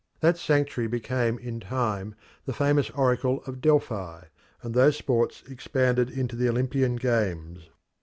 That sanctuary became in time the famous oracle of Delphi, and those sports expanded into the Olympian Games.